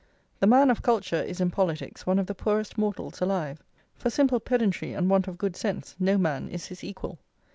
The man of culture is in politics one of the poorest mortals alive. For simple pedantry and want of good sense no man is his equal.